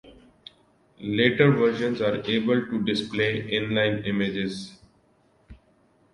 Later versions are able to display inline images.